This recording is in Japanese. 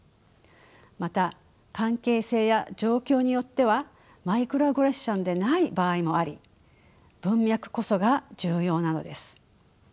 また関係性や状況によってはマイクロアグレッションでない場合もあり文脈こそが重要なのです。